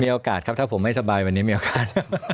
โอกาสครับถ้าผมไม่สบายวันนี้มีโอกาส